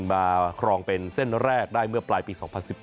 มาครองเป็นเส้นแรกได้เมื่อปลายปี๒๐๑๙